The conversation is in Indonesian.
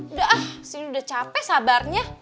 udah ah sini udah capek sabarnya